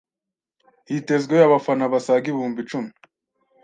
Hitezwe abafana basaga ibihumbi icumi